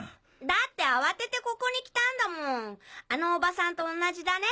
だって慌ててここに来たんだもんあのおばさんと同じだね。